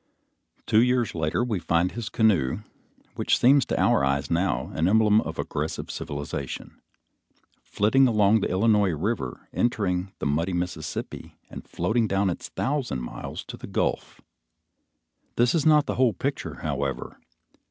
Two years later, we find his canoe, which seems to our eyes now the emblem of an aggressive civilization, flitting along the Illinois River, entering the muddy Mississippi, and floating down its thousand miles to the Gulf. This is not the whole picture, however.